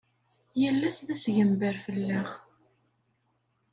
Yal ass d-asgember fell-aɣ.